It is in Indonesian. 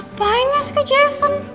ngapain ya si ke jason